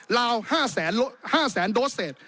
ลาว๕แสนโดสเศษ